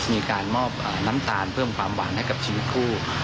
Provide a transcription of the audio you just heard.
มีการมอบน้ำตาลเพิ่มความหวานให้กับชีวิตคู่